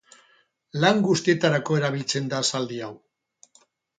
Lan guztietarako erabiltzen da zaldi hau.